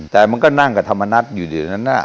แต่มันก็นั่งกับธรรมนัฏอยู่เดี๋ยวนั้น